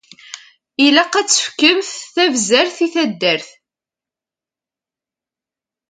Ilaq ad tefkemt tabzert i taddart.